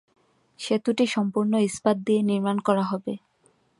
সেতুটি সম্পূর্ণ ইস্পাত দিয়ে নির্মাণ করা হবে।